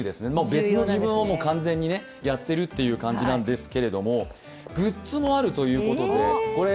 別の自分を完全にやってるという感じなんですけども、グッズもあるということで。